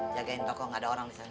jagain toko gak ada orang disana